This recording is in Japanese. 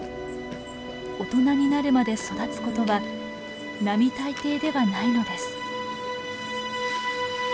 大人になるまで育つことは並大抵ではないのです。